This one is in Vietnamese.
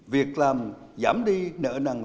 việc làm giảm đi nợ nằng